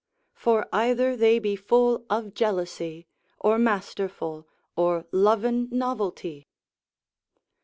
For either they be full of jealousy, Or masterfull, or loven novelty.